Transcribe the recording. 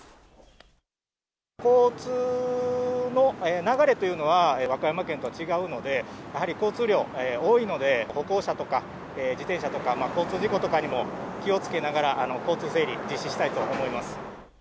交通の流れというのは、和歌山けんとは違うので、やはり交通量多いので、歩行者とか、自転車とか、交通事故とかにも気をつけながら、交通整理、実施したいと思います。